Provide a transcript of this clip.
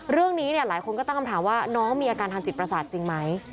เรื่องนี้หลายคนก็ตั้งคำถามว่าน้องมีอาการทางจิตประสาทจริงไหม